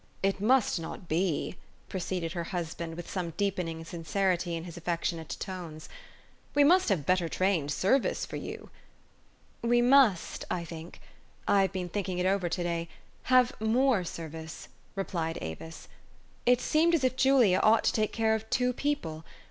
"It must not be," proceeded her husband with some deepening sincerity in his affectionate tones. " We must have better trained service for you." "We must, I think, I have been thinking it over to day, have more service," replied Avis. " It seemed as if Julia ought to take care of two people.